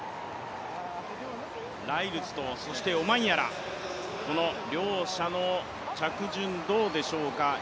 ライルズとオマンヤラ、この両者の着順、どうでしょうか。